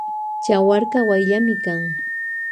Chawarka wayllami kan.